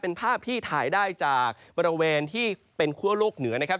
เป็นภาพที่ถ่ายได้จากบริเวณที่เป็นคั่วโลกเหนือนะครับ